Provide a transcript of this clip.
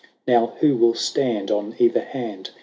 Now who will stand on either hand.